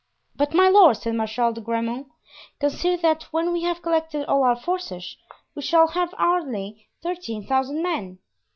"But, my lord," said Marshal de Grammont, "consider that when we have collected all our forces we shall have hardly thirteen thousand men."